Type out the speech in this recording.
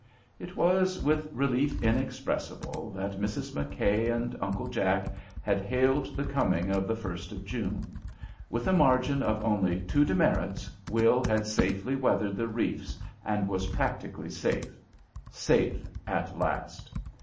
It was with relief inexpressible that Mrs. McKay and Uncle Jack had hailed the coming of the 1st of June. With a margin of only two demerits Will had safely weathered the reefs and was practically safe, safe at last.